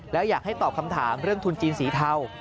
แล้วอยากให้ตอบคำถามเรื่องทุนจีนสีเทา